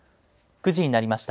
９時になりました。